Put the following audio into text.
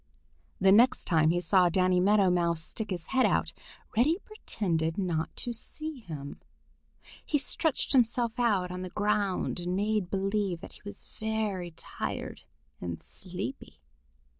The next time he saw Danny Meadow Mouse stick his head out, Reddy pretended not to see him. He stretched himself out on the ground and made believe that he was very tired and sleepy.